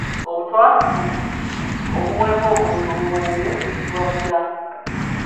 Obutwa obuweebwa omuntu mu mwenge buyitibwa butya?